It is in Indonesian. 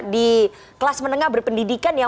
di kelas menengah berpendidikan ya